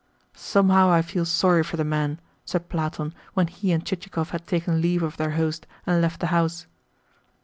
"Somehow I feel sorry for the man," said Platon when he and Chichikov had taken leave of their host, and left the house.